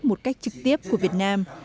một cách trực tiếp của việt nam